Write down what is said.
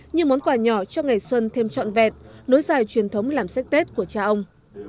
như món quà nhỏ cho ngày xuân thêm trọn vẹn nối dài truyền thống làm sách tết của cha ông